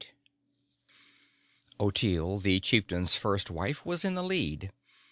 IX Ottilie, the Chieftain's First Wife, was in the lead.